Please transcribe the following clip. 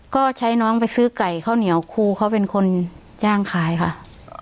ก็ใช้น้องไปซื้อไก่ข้าวเหนียวครูเขาเป็นคนย่างขายค่ะ